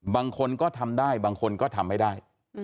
บางคนก็ทำได้บางคนก็ทำไม่ได้